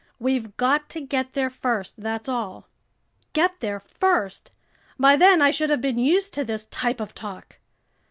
We've got to get there first, that's all." Get there first! By then I should have been used to this type of talk!